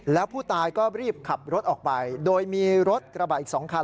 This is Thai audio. แล้วผู้ตายก็รีบขับรถออกไปโดยมีรถกระบะอีก๒คัน